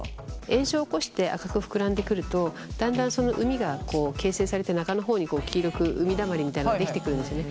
炎症を起こして赤く膨らんでくるとだんだんその膿が形成されて中の方に黄色く膿だまりみたいなのができてくるんですね。